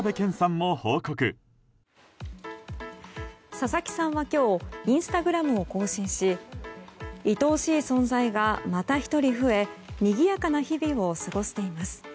佐々木さんは今日インスタグラムを更新しいとおしい存在がまた１人増えにぎやかな日々を過ごしています。